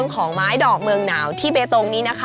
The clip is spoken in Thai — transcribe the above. ของไม้ดอกเมืองหนาวที่เบตงนี้นะคะ